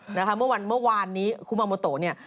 ครับนะคะเมื่อวานนี้คุมามโมโตเนี่ย